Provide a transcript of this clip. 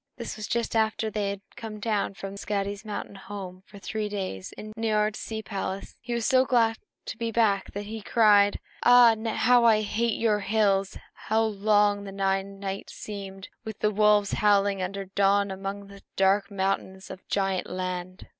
It was just after they had come down from Skadi's mountain home for their three days in Niörd's sea palace, and he was so glad to be back that he cried, "Ah, how I hate your hills! How long the nine nights seemed, with the wolves howling until dawn among the dark mountains of Giant Land!